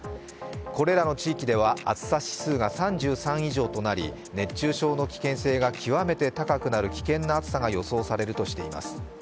これらの地域では暑さ指数が３３以上となり熱中症の危険性が極めて高くなる危険な暑さが予想されるとしています。